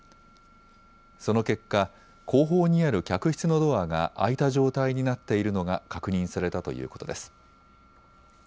その結果、後方にある客室のドアが開いた状態になっているのが確認されたということです。